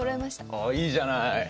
あっいいじゃない。